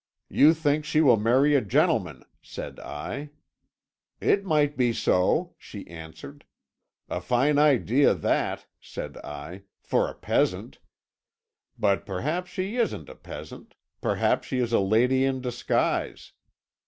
'You think she will marry a gentleman,' said I. 'It might be so,' she answered. 'A fine idea that,' said I, 'for a peasant. But perhaps she isn't a peasant: perhaps she is a lady in disguise.'